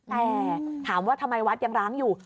แต่ถามว่าทำไมวัดยังร้างอยู่